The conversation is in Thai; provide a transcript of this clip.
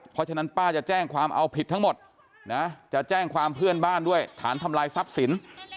เพราะฉะนั้นป้าจะแจ้งความเอาผิดทั้งหมดนะจะแจ้งความเพื่อนบ้านด้วยฐานทำลายทรัพย์สิน